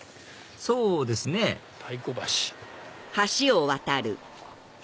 そうですね「太鼓橋」。